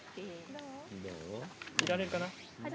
見られるかな？